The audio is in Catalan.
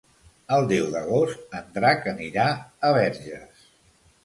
El deu d'agost en Drac anirà a Verges.